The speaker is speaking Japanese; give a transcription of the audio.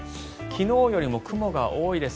昨日よりも雲が多いです。